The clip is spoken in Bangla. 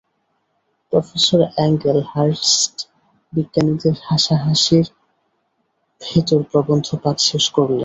প্রফেসর অ্যাংগেল হার্স্ট বিজ্ঞানীদের হাসাহসির ভেতর প্রবন্ধ পাঠ শেষ করলেন।